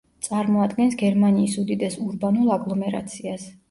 წარმოადგენს გერმანიის უდიდეს ურბანულ აგლომერაციას.